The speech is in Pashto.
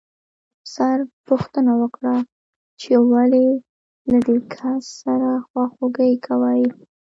افسر پوښتنه وکړه چې ولې له دې کس سره خواخوږي کوئ